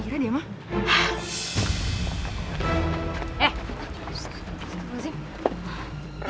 genap kasih terima kasih mama